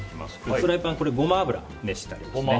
フライパンにゴマ油を熱してあります。